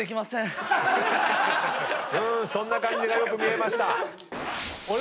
そんな感じがよく見えました。